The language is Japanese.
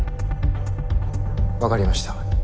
分かりました。